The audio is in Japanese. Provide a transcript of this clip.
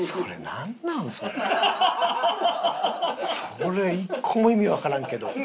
それ１個も意味わからんけど。